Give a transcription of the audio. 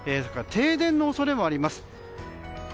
停電の恐れもあります。